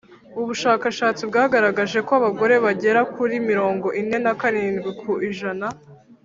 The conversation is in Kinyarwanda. ubushakashatsi bwagaragaje ko abagore bagera kuri mirongo ine na karindwi ku ijana